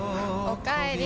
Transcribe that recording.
おかえり。